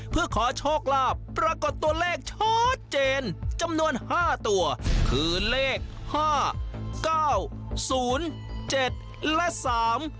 เพื่อขอโชคลาภปรากฏตัวเลขชัดเจนจำนวนห้าตัวคือเลขห้าเก้าศูนย์เจ็ดและสาม